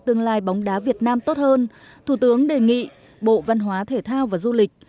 tương lai bóng đá việt nam tốt hơn thủ tướng đề nghị bộ văn hóa thể thao và du lịch